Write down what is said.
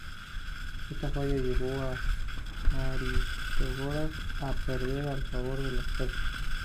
Esta falla llevó a Aristágoras a perder el favor de los persas.